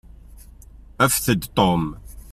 Afet-d Tom.